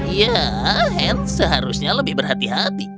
ya ant seharusnya lebih berhati hati